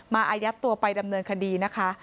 อายัดตัวไปดำเนินคดีนะคะ